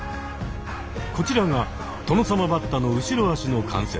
こちらがトノサマバッタの後ろ脚の関節。